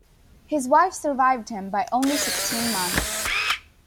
His wife survived him by only sixteen months.